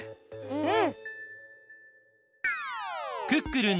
うん！